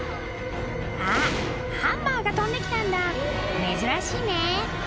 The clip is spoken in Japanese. あっハンマーが飛んできたんだ珍しいね